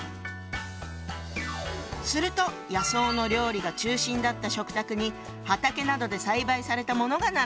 すると野草の料理が中心だった食卓に畑などで栽培されたものが並ぶように。